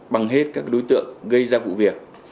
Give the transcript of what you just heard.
bằng hết các đối tượng gây ra vụ việc